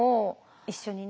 一緒にね。